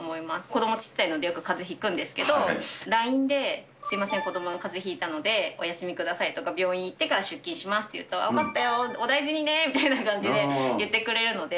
子どもちっちゃいので、よくかぜひくんですけど、ＬＩＮＥですみません、子どもがかぜひいたので、お休みくださいとか、病院行ってから出勤しますって言うと、分かったよ、お大事にねみたいな感じで言ってくれるので。